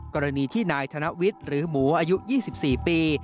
กรณีที่นายธนวิทย์หรือหมูอายุ๒๔ปี